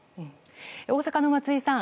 大阪の松井さん。